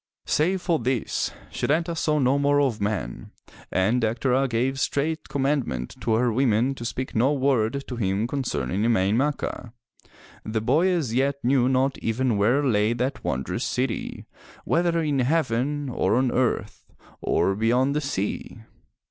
Save for this, Setanta saw no more of men, and Dectera gave straight commandment to her women to speak no word to him concerning Emain Macha. The boy as yet knew not even where lay that wondrous city, whether in heaven or on earth or beyond the sea.